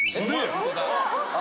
ホントだ！